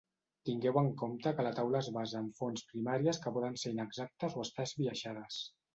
Tingueu en compte que la taula es basa en fonts primàries que poden ser inexactes o estar esbiaixades.